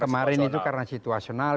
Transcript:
kemarin itu karena situasional